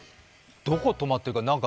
どこ止まってるか？